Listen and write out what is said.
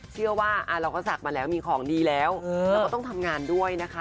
เชื่อว่าเราก็ศักดิ์มาแล้วมีของดีแล้วเราก็ต้องทำงานด้วยนะคะ